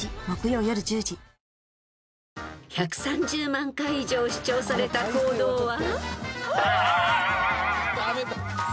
［１３０万回以上視聴された行動は？］